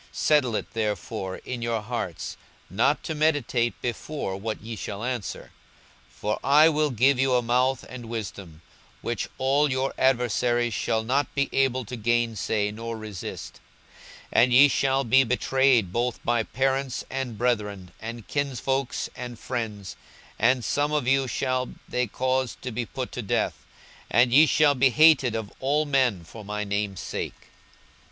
42:021:014 Settle it therefore in your hearts, not to meditate before what ye shall answer: 42:021:015 For I will give you a mouth and wisdom, which all your adversaries shall not be able to gainsay nor resist. 42:021:016 And ye shall be betrayed both by parents, and brethren, and kinsfolks, and friends; and some of you shall they cause to be put to death. 42:021:017 And ye shall be hated of all men for my name's sake.